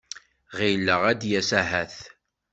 Ɣileɣ ad d-yas ahat.